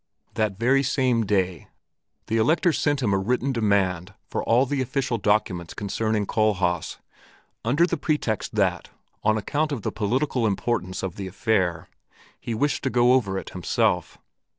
That very same day the Elector sent him a written demand for all the official documents concerning Kohlhaas, under the pretext that, on account of the political importance of the affair, he wished to go over it himself.